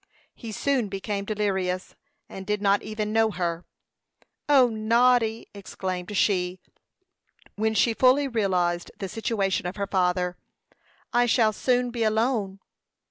He soon became delirious, and did not even know her. "O, Noddy," exclaimed she, when she fully realized the situation of her father, "I shall soon be alone."